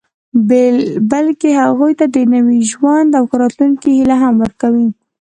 بلکې هغوی ته د نوي ژوند او ښه راتلونکي هیله هم ورکوي